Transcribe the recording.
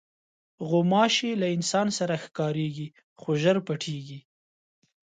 غوماشې له انسان سره ښکارېږي، خو ژر پټېږي.